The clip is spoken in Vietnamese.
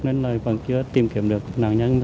nên vẫn chưa tìm kiếm được nạn nhân